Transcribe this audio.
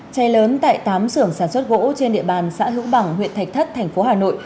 cháy lớn tại tám sưởng sản xuất gỗ trên địa bàn xã hữu bằng huyện thạch thất tp hà nội